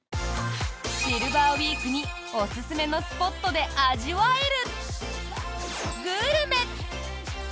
シルバーウィークにおすすめのスポットで味わえるグルメ！